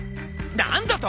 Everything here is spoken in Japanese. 何だと！？